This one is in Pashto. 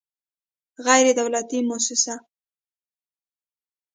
غیر دولتي موسسه